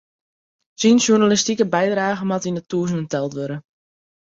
Syn sjoernalistike bydragen moat yn de tûzenen teld wurde.